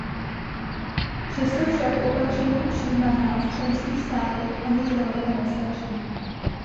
Přesto však opatření přijímaná v členských státech ani zdaleka nestačí.